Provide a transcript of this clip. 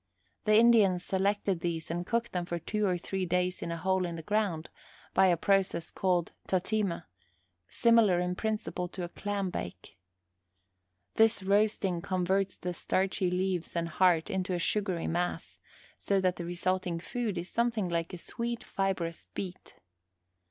The Indians selected these and cooked them for two or three days in a hole in the ground, by a process called tatema, similar in principle to a clam bake. This roasting converts the starchy leaves and heart into a sugary mass, so that the resulting food is something like a sweet fibrous beet.